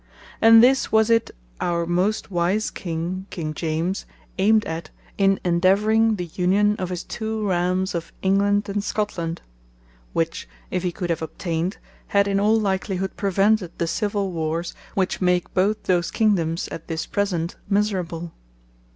And this was it our most wise King, King James, aymed at, in endeavouring the Union of his two Realms of England and Scotland. Which if he could have obtained, had in all likelihood prevented the Civill warres, which make both those Kingdomes at this present, miserable.